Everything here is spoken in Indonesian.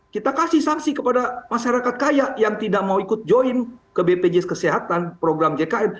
kita kasih sanksi kepada masyarakat kaya yang tidak mau ikut join ke bpjs kesehatan program jkn